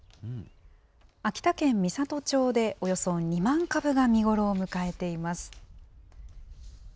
秋田県美郷町でおよそ２万株が見頃を迎えています。